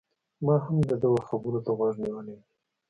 ما هم د ده و خبرو ته غوږ نيولی دی